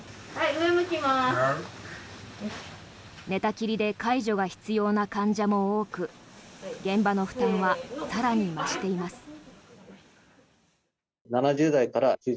寝たきりで介助が必要な患者も多く現場の負担は更に増しています。